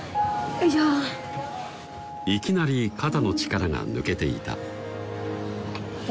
おいしょいきなり肩の力が抜けていた私